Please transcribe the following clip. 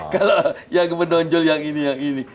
kalau yang menonjol yang ini yang ini